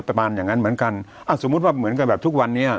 ประมาณอย่างนั้นเหมือนกันอ่ะสมมุติว่าเหมือนกับแบบทุกวันนี้